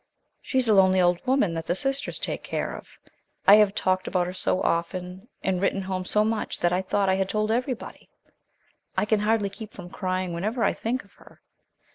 "She is a lonely old woman that the sisters take care of. I have talked about her so often, and written home so much, that I thought I had told everybody. I can hardly keep from crying whenever I think of her.